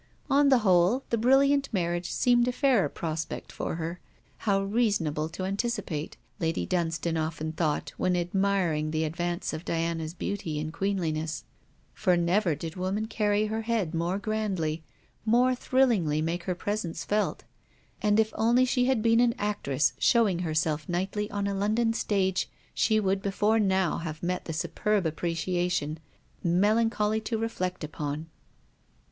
On the whole, the brilliant marriage seemed a fairer prospect for her; how reasonable to anticipate, Lady Dunstane often thought when admiring the advance of Diana's beauty in queenliness, for never did woman carry her head more grandly, more thrillingly make her presence felt; and if only she had been an actress showing herself nightly on a London stage, she would before now have met the superb appreciation, melancholy to reflect upon!